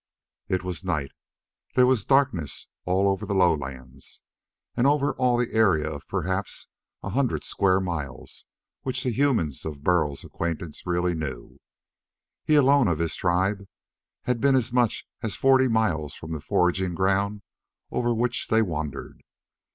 It was night. There was darkness over all the lowlands, and over all the area of perhaps a hundred square miles which the humans of Burl's acquaintance really knew. He, alone of his tribe, had been as much as forty miles from the foraging ground over which they wandered.